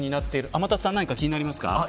天達さん、何か気になりますか。